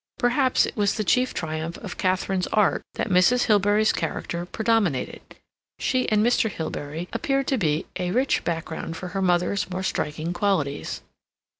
Perhaps it was the chief triumph of Katharine's art that Mrs. Hilbery's character predominated. She and Mr. Hilbery appeared to be a rich background for her mother's more striking qualities.